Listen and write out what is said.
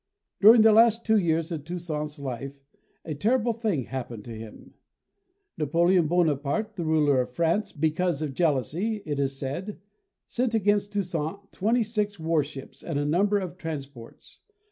During the last two years of Toussaint's life, a terrible thing happened to him. Napoleon Bona 186 ] UNSUNG HEROES parte, the ruler of France, because of jealousy, it is said, sent against Toussaint twenty six war ships and a number of transports.